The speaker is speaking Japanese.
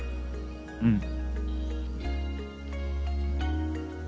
うん